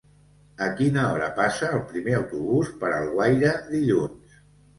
A quina hora passa el primer autobús per Alguaire dilluns?